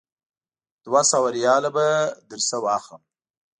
دوه سوه ریاله به درنه واخلم.